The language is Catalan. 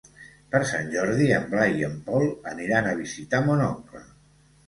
Per Sant Jordi en Blai i en Pol aniran a visitar mon oncle.